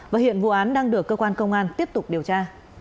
và hiện vụ án đang được cơ quan công an tiếp tục điều tra